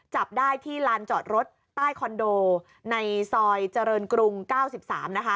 จับได้ที่ลานจอดรถใต้คอนโดในซอยเจริญกรุง๙๓นะคะ